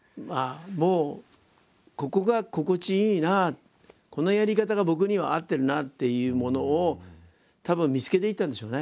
ここが心地いいなこのやり方が僕には合ってるなっていうものをたぶん見つけていったんでしょうね。